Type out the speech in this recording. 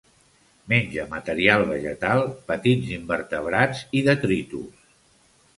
Menja matèria vegetal, petits invertebrats i detritus.